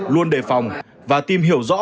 luôn đề phòng và tìm hiểu rõ